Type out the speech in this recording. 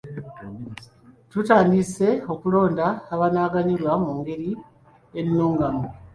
Tutandise okulonda abanaaganyulwa mu ngeri ennungamu.